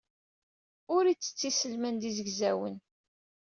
Ur ittett iselman d izegzawen.